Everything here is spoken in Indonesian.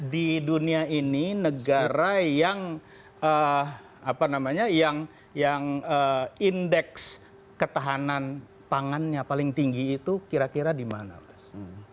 di dunia ini negara yang apa namanya yang indeks ketahanan pangannya paling tinggi itu kira kira dimana mas